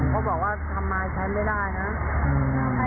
เขาบอกว่าทำไมใช้ไม่ได้ฮะ